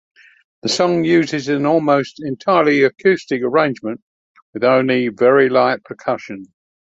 The song uses an almost entirely acoustic arrangement with only very light percussion.